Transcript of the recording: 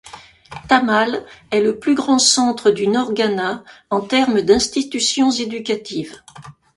Tamale est le plus grand centre du Nord Ghana en termes d'institutions éducatives.